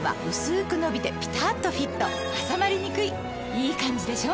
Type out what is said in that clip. いいカンジでしょ？